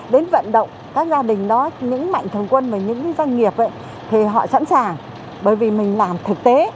đến vận động các gia đình đó những mạnh thường quân và những doanh nghiệp thì họ sẵn sàng bởi vì mình làm thực tế